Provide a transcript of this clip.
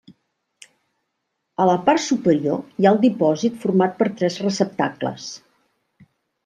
A la part superior hi ha el dipòsit format per tres receptacles.